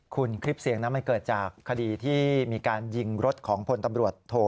คุณคลิปเสียงนั้นมันเกิดจากคดีที่มีการยิงรถของพลตำรวจโท